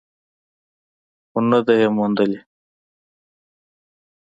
خو نه ده یې موندلې.